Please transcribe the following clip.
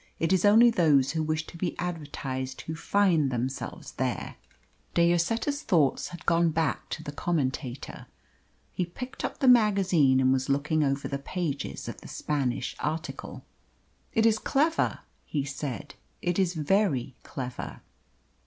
It is only those who wish to be advertised who find themselves there." De Lloseta's thoughts had gone back to the Commentator. He picked up the magazine and was looking over the pages of the Spanish article. "It is clever," he said. "It is very clever."